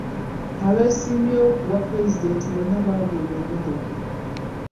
Abeesimbyewo ku bwa pulezidenti bonna baaweebwa emmotoka.